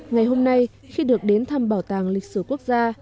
ngày hôm nay khi được đến thăm bảo tàng lịch sử quốc gia